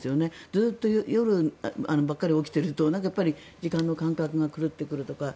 ずっと夜ばかり起きていると時間の感覚が狂ってくるとか。